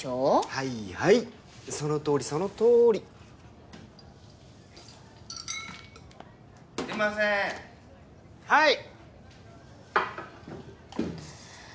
はいはいそのとおりそのとおり・すいません・はい！